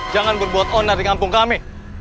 jangan berbuat onar di kampung kami